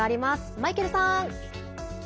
マイケルさん。